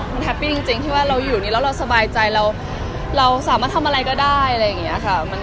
มันแฮปปี้จริงที่ว่าเราอยู่นี้แล้วเราสบายใจเราสามารถทำอะไรก็ได้อะไรอย่างนี้ค่ะ